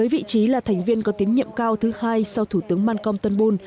với vị trí là thành viên có tín nhiệm cao thứ hai sau thủ tướng malcolm turnbull